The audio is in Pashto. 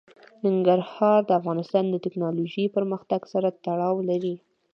ننګرهار د افغانستان د تکنالوژۍ پرمختګ سره تړاو لري.